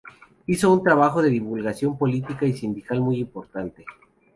Hizo un trabajo de divulgación política y sindical muy importante.